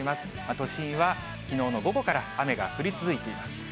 都心はきのうの午後から雨が降り続いています。